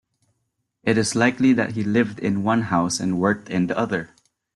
It is likely that he lived in one house and worked in the other.